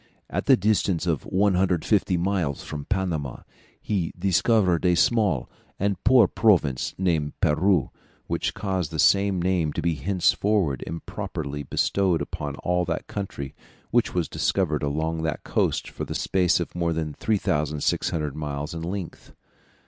At the distance of 150 miles from Panama he discovered a small and poor province named Peru, which caused the same name to be henceforward improperly bestowed upon all the country which was discovered along that coast for the space of more than 3600 miles in length.